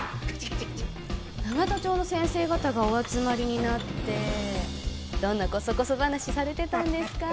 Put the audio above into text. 永田町の先生方がお集まりになってどんなコソコソ話されてたんですか？